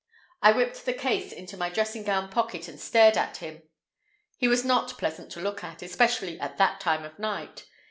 I whipped the case into my dressing gown pocket and stared at him. He was not pleasant to look at, especially at that time of night.